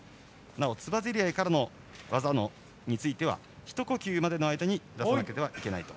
なお、つばぜり合いからの技については一呼吸までの間になさなくてはいけないと。